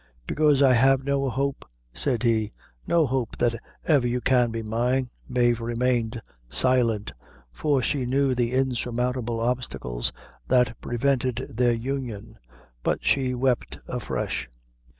"Because I have no hope," said he "no hope that ever you can be mine." Mave remained silent; for she knew the insurmountable obstacles that prevented their union; but she wept afresh.